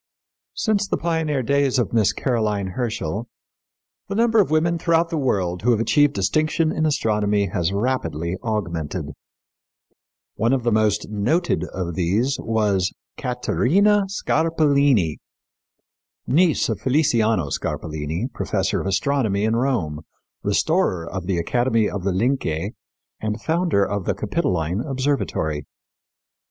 Since the pioneer days of Miss Caroline Herschel, the number of women throughout the world who have achieved distinction in astronomy has rapidly augmented. One of the most noted of these was Caterina Scarpellini, niece of Feliciano Scarpellini, professor of astronomy in Rome, restorer of the Academy of the Lyncei, and founder of the Capitoline Observatory.